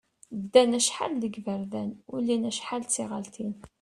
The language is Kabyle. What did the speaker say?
Ddan acḥal deg yiberdan, ulin acḥal d tiɣalin.